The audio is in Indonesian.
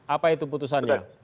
apa itu putusannya